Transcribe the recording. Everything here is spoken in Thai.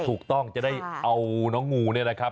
ถูกต้องจะได้เอาน้องงูเนี่ยนะครับ